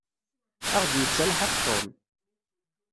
Ad aɣ-d-yettelḥaq Tom.